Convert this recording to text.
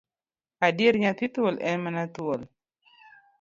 Adier nyathi thuol, en mana thuol.